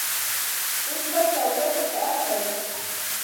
Tullpachaw yakuta alsay.